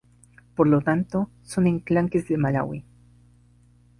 Por lo tanto, son enclaves de Malawi.